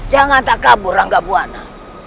jangan tak kabur rangga buana